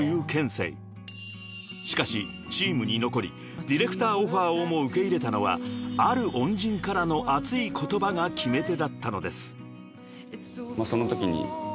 ［しかしチームに残りディレクターオファーをも受け入れたのはある恩人からの熱い言葉が決め手だったのです］